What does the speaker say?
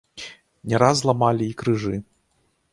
Не раз ламалі і крыжы.